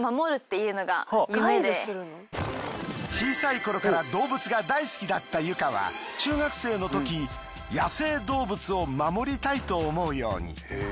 小さい頃から動物が大好きだったユカは中学生のとき野生動物を守りたいと思うように。